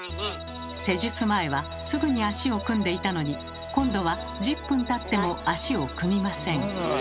施術前はすぐに足を組んでいたのに今度は１０分たっても足を組みません。